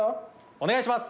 お願いします。